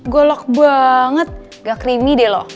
golok banget gak creamy deh loh